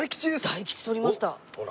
大吉とりました。